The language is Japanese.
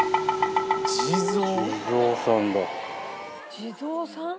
地蔵さんだ。